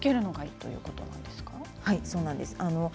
そうなんです。